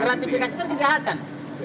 berarti pkt itu kerja jahatan